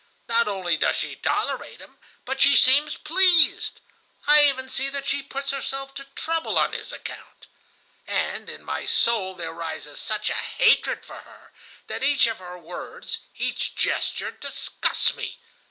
Not only does she tolerate him, but she seems pleased. I even see that she puts herself to trouble on his account. And in my soul there rises such a hatred for her that each of her words, each gesture, disgusts me.